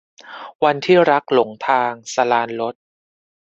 วันที่รักหลงทาง - สราญรส